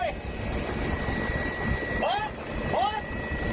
ดูทิ้งเขานะครับน้อง